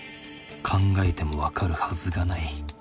考えてもわかるはずがない。